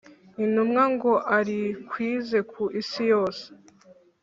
intumwa ngo arikwize ku isi yose.